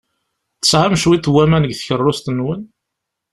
Tesɛam cwiṭ n waman deg tkeṛṛust-nwen?